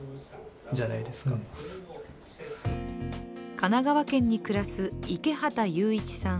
神奈川県に暮らす池畑裕一さん